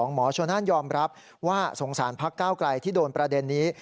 หมอชนนั่นยอมรับว่าสงสารพักก้าวไกลที่โดนประเด็นนี้